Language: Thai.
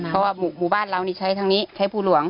เพราะว่าหมู่บ้านเรานี่ใช้ทางนี้ใช้ภูหลวง